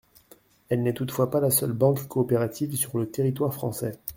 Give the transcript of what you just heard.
Elle n’est toutefois pas la seule banque coopérative sur le territoire français.